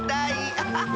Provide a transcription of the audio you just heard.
アハハ！